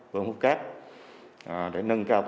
vận hút cát để nâng cao